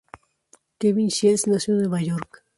Kevin Shields nació en Nueva York.